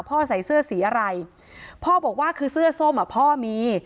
ใส่เสื้อสีอะไรพ่อบอกว่าคือเสื้อส้มอ่ะพ่อมี